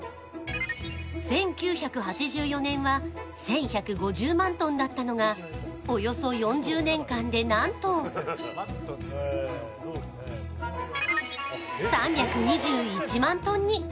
１９８４年は１１５０万トンだったのがおよそ４０年間で、なんと３２１万トンに。